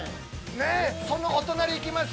そのお隣いきます。